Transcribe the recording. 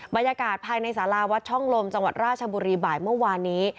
บรรยากาศภายในสาราวัดช่องลมจังหวัดราชบุรีบ่ายเมื่อวานนี้